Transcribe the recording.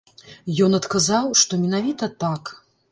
Ён адказаў, што менавіта так.